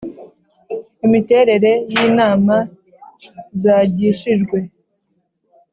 Imiterere y inama zagishijwe